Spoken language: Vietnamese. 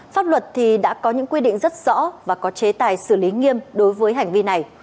pháp luật đã có những quy định rất rõ và có chế tài xử lý nghiêm đối với hành vi này